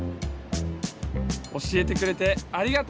おしえてくれてありがと！